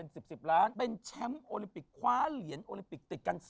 สมัยอ่ะพี่